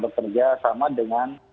bekerja sama dengan